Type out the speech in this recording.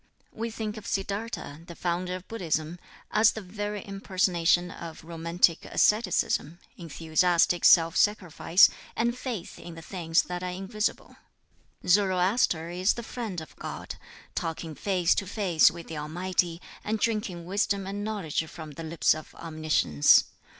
We think of Siddartha, the founder of Buddhism, as the very impersonation of romantic asceticism, enthusiastic self sacrifice, and faith in the things that are invisible. Zoroaster is the friend of God, talking face to face with the Almighty, and drinking wisdom and knowledge from the lips of Omniscience.